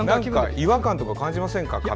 違和感とか感じませんか？